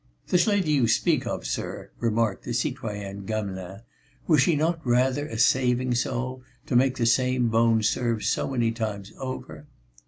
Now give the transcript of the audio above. "This lady you speak of, sir," remarked the citoyenne Gamelin, "was she not rather a saving soul, to make the same bone serve so many times over?"